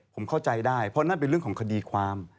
ผมเข้าใจได้เพราะนั่นเป็นเรื่องของคดีความ